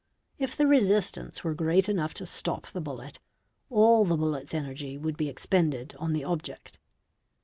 If the resistance were great enough to stop the bullet, all the bullet's energy would be expended on the object.